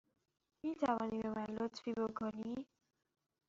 می توانی به من لطفی بکنی؟